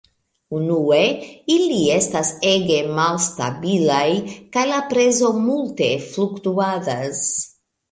Unue, ili estas ege malstabilaj, kaj la prezo multe fluktuadas.